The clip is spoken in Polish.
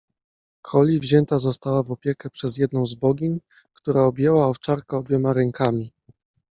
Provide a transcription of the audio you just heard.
Collie wzięta została w opiekę przez jedną z bogiń, która objęła owczarka obiema rękami